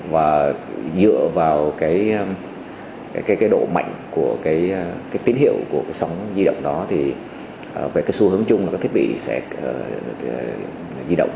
và dựa vào cái độ mạnh của cái tín hiệu của cái sóng di động đó thì về cái xu hướng chung là các thiết bị sẽ di động